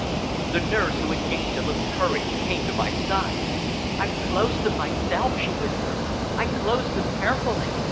The nurse, who had gained a little courage, came to my side. "I closed them myself," she whispered. "I closed them carefully.